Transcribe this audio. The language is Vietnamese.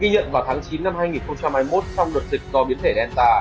ghi nhận vào tháng chín năm hai nghìn hai mươi một trong đợt dịch do biến thể gelta